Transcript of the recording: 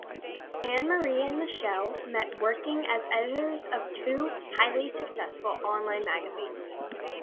Annemarie and Michelle met working as editors of two highly successful online magazines.